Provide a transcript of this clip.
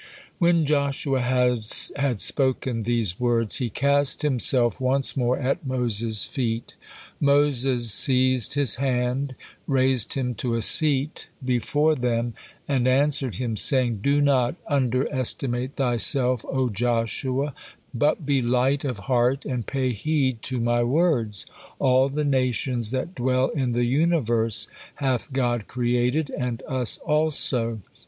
When Joshua has spoken these words, he cast himself once more at Moses' feet. Moses seized his hand, raised him to a seat before them, and answered him, saying: "Do not underestimate thyself, O Joshua, but be light of heart, and pay heed to my words. All the nations that dwell in the universe hath God created, and us also.